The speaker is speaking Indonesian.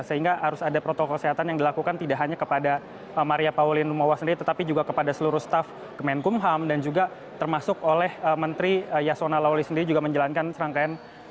sehingga harus ada protokol kesehatan yang dilakukan tidak hanya kepada maria pauline lumowa sendiri tetapi juga kepada seluruh staf kemenkumham dan juga termasuk oleh menteri yasona lawli sendiri juga menjalankan serangkaian